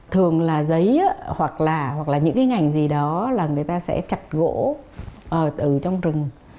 thường là giấy hoặc là những cái ngành gì đó là người ta sẽ chặt gỗ ở trong rừng